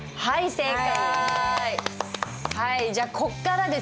正解！